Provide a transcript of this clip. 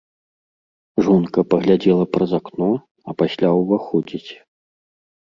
Жонка паглядзела праз акно, а пасля ўваходзіць.